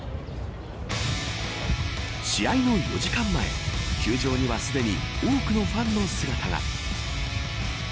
試合の４時間前球場にはすでに多くのファンの姿が。